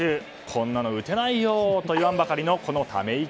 こんなの打てないよと言わんばかりのこのため息。